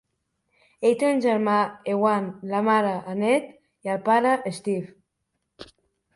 Ell té un germà, Euan, la mare, Annette, i el pare, Steve.